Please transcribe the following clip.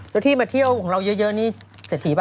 แล้วที่มาเที่ยวของเราเยอะนี่เศรษฐีป่